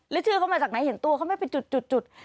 แล้วชื่อเขามาจากไหนเห็นตัวเขาไหมเป็นจุด